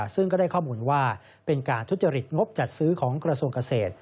ซึ่งก็ได้ข้อมูลว่าเป็นการทุจริตงบจัดซื้อของกระทรวงเกษตร